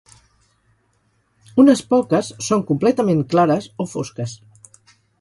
Unes poques són completament clares o fosques.